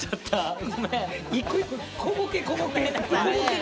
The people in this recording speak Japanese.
一個一個小ボケ小ボケ。